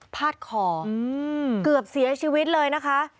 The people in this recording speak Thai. พาดคอเกือบเสียชีวิตเลยนะคะ